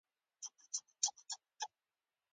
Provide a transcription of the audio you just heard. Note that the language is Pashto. هرې ډلې سلیقې نتیجه ده.